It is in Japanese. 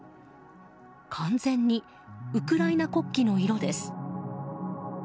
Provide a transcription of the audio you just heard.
完全にウクライナ国旗の色です。